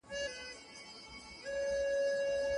خدايه! ښامار د لمر رڼا باندې راوښويدی